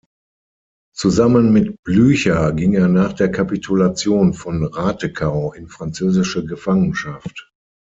Zusammen mit Blücher ging er nach der Kapitulation von Ratekau in französische Gefangenschaft.